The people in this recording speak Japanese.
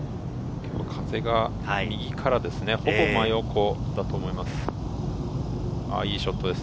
風が右からですね、ほぼ真横だと思います。